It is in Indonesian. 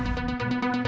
mungkin bisa diperbaiki